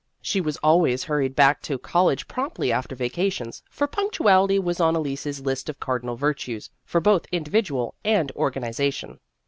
She was 154 Vassar Studies always hurried back to college promptly after vacations, for punctuality was on Elise's list of cardinal virtues for both in dividual and organization.